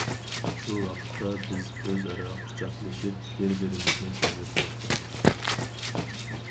شۇ ۋاقىتتا بىز ئۆزئارا قۇچاقلىشىپ بىر- بىرىمىزنى تەبرىكلەشتۇق.